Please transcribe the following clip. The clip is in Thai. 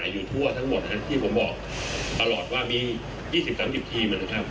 ขายกันทั่วทั้งหมดนะครับที่ผมบอกตลอดว่ามี๒๐๓๐ทีเหมือนกันครับ